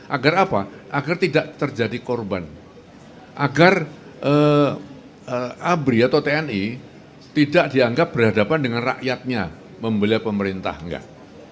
agar apa agar tidak terjadi korban agar abri atau tni tidak dianggap berhadapan dengan rakyatnya membela pemerintah enggak